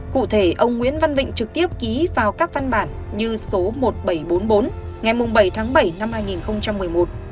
cụ thể ông nguyễn văn vịnh trực tiếp ký vào các văn bản như số một nghìn bảy trăm bốn mươi bốn ngày bảy tháng bảy năm hai nghìn một mươi một